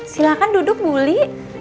silahkan duduk bu uli